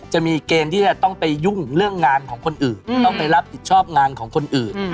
จะมีเกณฑ์ที่จะต้องไปยุ่งเรื่องงานของคนอื่นต้องไปรับผิดชอบงานของคนอื่น